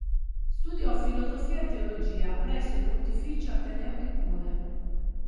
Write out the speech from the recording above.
Studiò filosofia e teologia presso il Pontificio Ateneo di Pune.